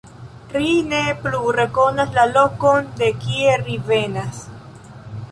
Ri ne plu rekonas la lokon, de kie ri venas.